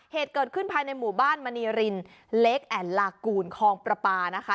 เหตุเกิดขึ้นภายในหมู่บ้านมณีรินเล็กแอ่นลากูลคลองประปานะคะ